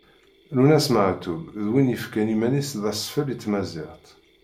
Lwennas Meɛtub d win yefkan iman-is d asfel i tmaziɣt.